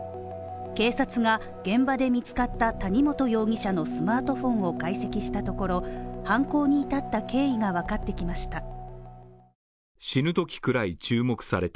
警察が現場で見つかった谷本容疑者のスマートフォンを解析したところ犯行に至った経緯がわかってきました。